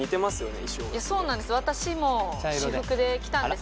いやそうなんです